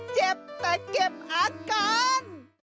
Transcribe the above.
เจ็บแต่เก็บอาการ